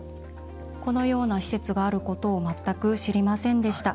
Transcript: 「このような施設があることを全く知りませんでした」。